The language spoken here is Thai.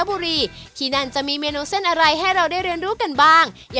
บ๊ายบาย